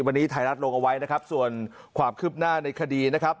วันนี้ไทรรัฐลงเอาไว้ส่วนความคลิบหน้าในคดี